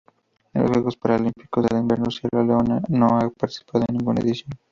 En los Juegos Paralímpicos de Invierno Sierra Leona no ha participado en ninguna edición.